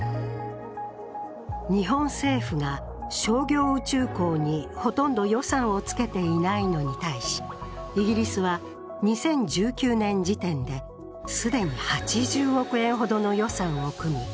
日本政府が商業宇宙港にほとんど予算をつけていないのに対し、イギリスは２０１９年時点で、既に８０億円ほどの予算を組み